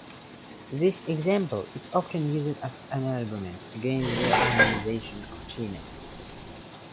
This example is often used as an argument against the romanization of Chinese.